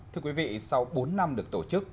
thưa quý vị sau bốn năm được tổ chức